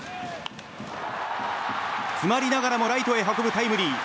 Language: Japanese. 詰まりながらもライトへ運ぶタイムリー。